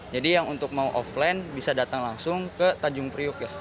jadi yang untuk mau offline bisa datang langsung ke tanjung priok ya